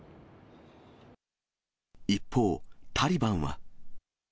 一方、タリバンは。